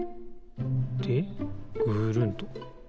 でぐるんと。